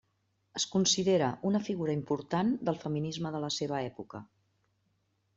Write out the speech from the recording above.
Es considera una figura important del feminisme de la seva època.